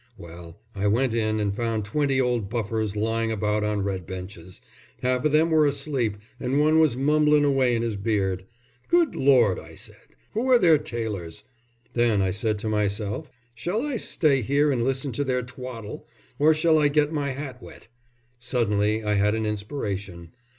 Well, I went in and found twenty old buffers lying about on red benches. Half of them were asleep, and one was mumblin' away in his beard. 'Good Lord,' I said, 'who are their tailors?' Then I said to myself: 'Shall I stay here and listen to their twaddle or shall I get my hat wet?' Suddenly I had an inspiration.